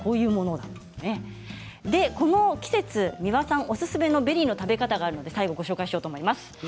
この季節三輪さんおすすめのベリーの食べ方があるのでご紹介します。